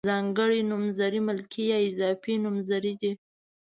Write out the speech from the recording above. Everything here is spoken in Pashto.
ځانګړي نومځري ملکي یا اضافي نومځري دي.